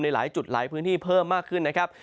หลายจุดหลายพื้นที่เพิ่มมากขึ้นนะครับ